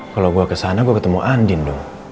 kalo gue kesana gue ketemu andin